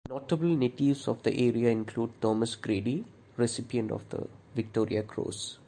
Notable natives of the area include Thomas Grady, recipient of the Victoria Cross.